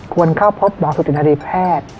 ควรเข้าพบหมอสุตินารีแพทย์